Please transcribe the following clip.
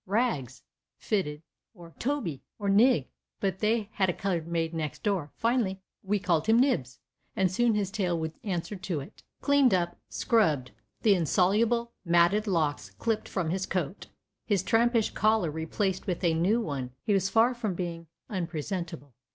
"Rags" fitted, or "Toby" or "Nig"—but they had a colored maid next door; finally we called him "Nibs," and soon his tail would answer to it. Cleaned up—scrubbed, the insoluble matted locks clipped from his coat, his trampish collar replaced with a new one bearing a license tag—he was far from being unpresentable.